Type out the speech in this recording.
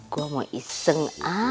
gua mau iseng